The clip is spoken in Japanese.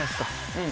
うん。